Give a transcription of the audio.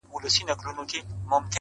ستا د ښکلا په تصور کي یې تصویر ویده دی.